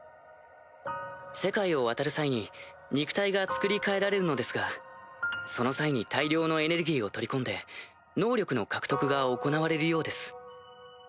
世界を渡る際に肉体がつくり替えられるのですがその際に大量のエネルギーを取り込んで能力の獲得が行われるようです。